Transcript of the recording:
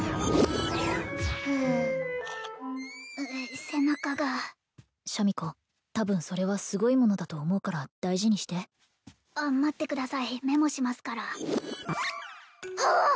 ふうううっ背中がシャミ子多分それはすごいものだと思うから大事にしてあっ待ってくださいメモしますからはっ！